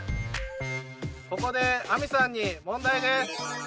ここで亜美さんに問題です。